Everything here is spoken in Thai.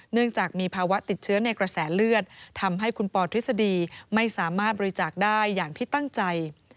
เนื่องจากมีภาวะติดเชื้อในกระแสเลือดทำให้คุณปอทฤษฎีไม่สามารถบริจาคได้อย่างที่ตั้งใจ